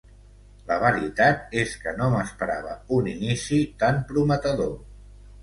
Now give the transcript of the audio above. La veritat és que no m'esperava un inici tan prometedor.